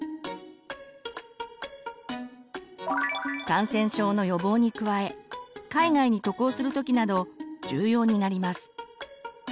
感染症の予防に加え海外に渡航する時など重要になります。